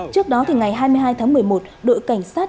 trước đó thì ngày hai mươi hai tháng một mươi một đội cảnh sát